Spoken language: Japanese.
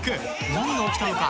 何が起きたのか？